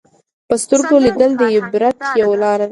په سترګو لیدل د عبرت یوه لاره ده